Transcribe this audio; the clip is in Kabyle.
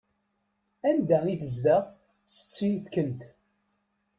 Anda i tezdeɣ setti-tkent?